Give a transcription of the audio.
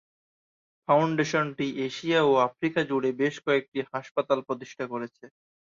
ফাউন্ডেশনটি Asia ও Africa জুড়ে বেশ কয়েকটি হাসপাতাল প্রতিষ্ঠা করেছে।